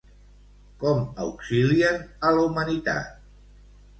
Com auxilien a la humanitat?